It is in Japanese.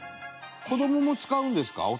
子どもも使うんですか？